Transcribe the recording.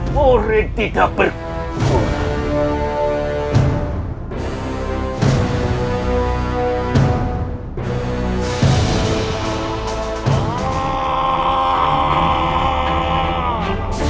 tri kaven yang